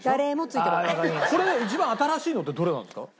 これ一番新しいのってどれなんですか？